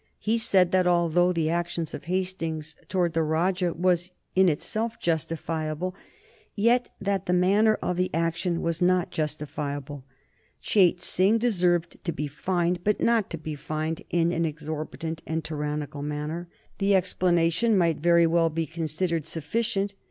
He said that, although the action of Hastings towards the Rajah was in itself justifiable, yet that the manner of the action was not justifiable. Chait Singh deserved to be fined, but not to be fined in an exorbitant and tyrannical manner. The explanation might very well be considered sufficient.